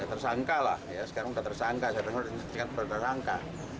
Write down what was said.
tersangka lah sekarang tidak tersangka